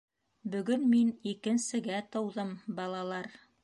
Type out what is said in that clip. - Бөгөн мин икенсегә тыуҙым, балалар!